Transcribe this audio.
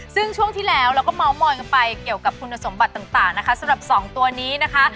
ซึ่งช่วงที่แล้วเราก็เมาส์มอยกันไปเกี่ยวกับคุณสมบัติต่างนะคะสำหรับสองตัวนี้นะคะ